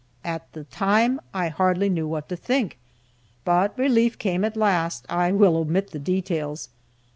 At the time I hardly knew what to think, but relief came at last. I will omit the details.